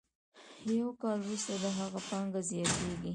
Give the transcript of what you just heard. یو کال وروسته د هغه پانګه زیاتېږي